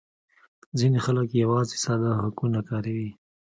ځینې خلک یوازې ساده هکونه کاروي